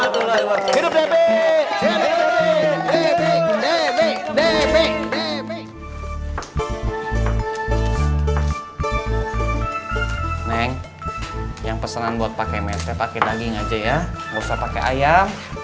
neng yang pesanan buat pakai meset pakai daging aja ya gak usah pakai ayam